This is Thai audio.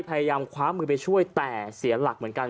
พยายามคว้ามือไปช่วยแต่เสียหลักเหมือนกัน